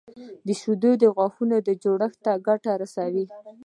شیدې د غاښونو جوړښت ته ګټه رسوي